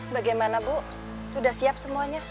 bagaimana bu sudah siap semuanya